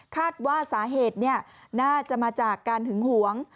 คาดว่าสาเหตุน่าจะมาจากการหึงหวง